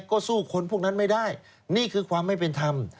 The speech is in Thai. ก็สู้คนพวกนั้นไม่ได้นี่คือความไม่เป็นธรรม